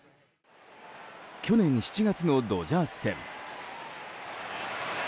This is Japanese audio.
去年７月のドジャース戦。